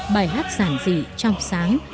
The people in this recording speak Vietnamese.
bài hát sản dị trong sáng